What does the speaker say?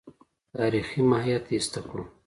تاریخي ماهیت ایسته کړو.